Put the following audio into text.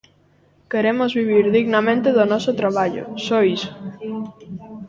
Queremos vivir dignamente do noso traballo, só iso.